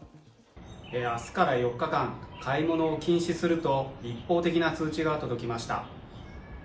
明日から４日間、買い物を禁止すると一方的な通知が届きました。